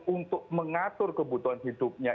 untuk mengatur kebutuhan hidupnya